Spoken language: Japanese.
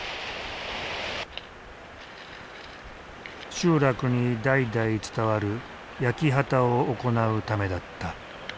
集落に代々伝わる焼き畑を行うためだった。